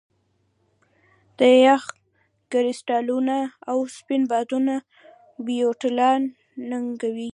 د یخ کرسټالونه او سپین بادونه پیلوټان ننګوي